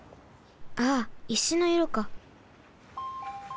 ああ石のいろか。